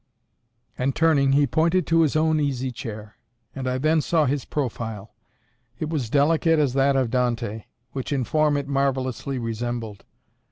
And, turning, he pointed to his own easy chair; and I then saw his profile. It was delicate as that of Dante, which in form it marvellously resembled.